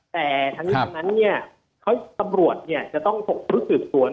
แต่ทั้งนั้นเขาตำรวจเนี่ยจะต้องตกฟักสรุปส่วน